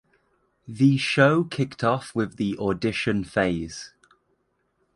The show kicked off with the audition phase.